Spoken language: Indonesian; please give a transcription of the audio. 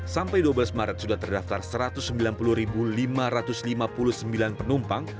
sampai dua belas maret sudah terdaftar satu ratus sembilan puluh lima ratus lima puluh sembilan penumpang